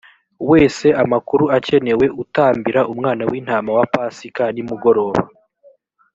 wese amakuru akenewe utambira umwana w intama wa pasika nimugoroba